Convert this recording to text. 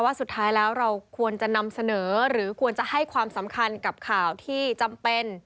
สุดท้ายแล้วเราควรจะนำเสนอหรือควรจะให้ความสำคัญกับข่าวที่จำเป็น